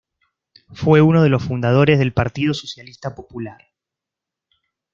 Fue uno de los fundadores del Partido Socialista Popular.